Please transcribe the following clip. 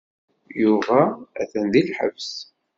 Yuba atan deg lḥebs.